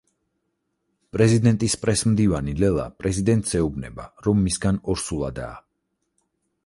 პრეზიდენტის პრესმდივანი ლელა პრეზიდენტს ეუბნება, რომ მისგან ორსულადაა.